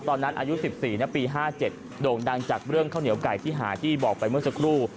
ตอนนั้นอายุสิบสี่นะปีห้าเจ็ดโด่งดังจากเรื่องข้าวเหนียวไก่ที่หาที่บอกไปเมื่อสักครู่